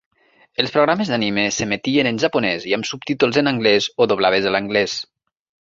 Els programes d'anime s'emetien en japonès i amb subtítols en anglès o doblades a l'anglès.